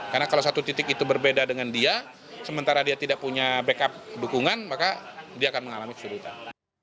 karena kalau satu titik itu berbeda dengan dia sementara dia tidak punya backup dukungan maka dia akan mengalami kesulitan